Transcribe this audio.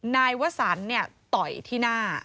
นายวสันต่อยที่หน้า